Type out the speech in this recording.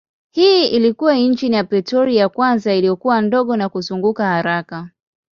Hii ilikuwa injini ya petroli ya kwanza iliyokuwa ndogo na kuzunguka haraka.